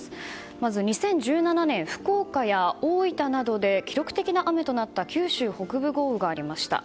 まず２０１７年福岡や大分などで記録的な雨となった九州北部豪雨がありました。